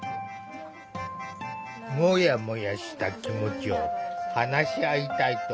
モヤモヤした気持ちを話し合いたいと思ったのだ。